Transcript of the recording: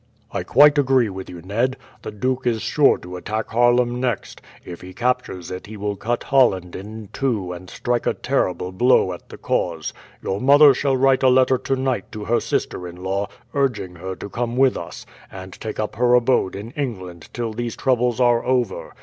"I quite agree with you, Ned. The duke is sure to attack Haarlem next. If he captures it he will cut Holland in two and strike a terrible blow at the cause. Your mother shall write a letter tonight to her sister in law urging her to come with us, and take up her abode in England till these troubles are over.